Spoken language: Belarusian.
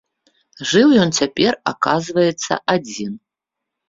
Жыў ён цяпер, аказваецца, адзін.